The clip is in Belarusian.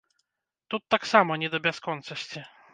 Тут таксама не да бясконцасці.